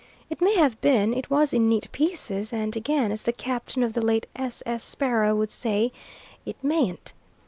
It may have been; it was in neat pieces; and again, as the Captain of the late s.s. Sparrow would say, "it mayn't."